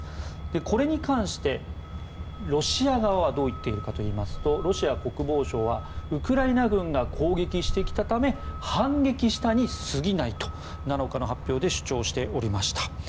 これに関して、ロシア側はどう言っているかといいますとロシア国防省はウクライナ軍が攻撃してきたため反撃したにすぎないと７日の発表で主張しておりました。